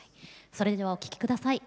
それではお聴き下さい。